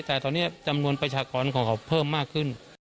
แต่ตอนนี้จำนวนประชากรของเขาเพิ่มมากขึ้น